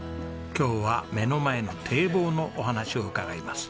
今日は目の前の堤防のお話を伺います。